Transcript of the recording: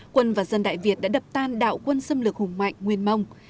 quân và dân đại việt đã đập tan đạo quân xâm lược hùng mạnh nguyên mông